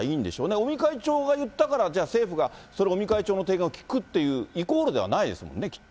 尾身会長が言ったから、じゃあ、政府がそれ、尾身会長の提言を聞くっていう、イコールではないですもんね、きっと。